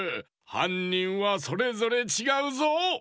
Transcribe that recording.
はんにんはそれぞれちがうぞ！